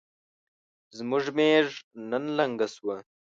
زموږ ميږ نن لنګه شوه